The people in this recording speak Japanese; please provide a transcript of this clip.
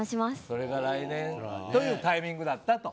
それが来年というタイミングだったと。